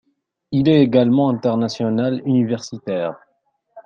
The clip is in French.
Il est également international universitaire.